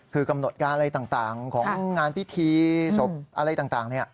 คือกำหนดการอะไรต่างของงานพิธีศพอะไรต่าง